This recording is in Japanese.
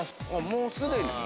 もうすでに？